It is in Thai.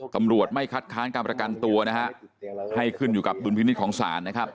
ตำรวจไม่คัดค้านการประกันตัวนะฮะให้ขึ้นอยู่กับดุลพินิษฐ์ของศาลนะครับ